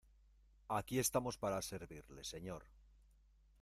aquí estamos para servirle, señor.